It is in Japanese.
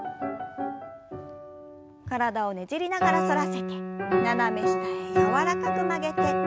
体をねじりながら反らせて斜め下へ柔らかく曲げて。